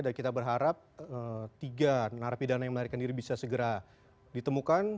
dan kita berharap tiga narapidana yang melarikan diri bisa segera ditemukan